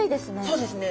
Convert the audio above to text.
そうですね。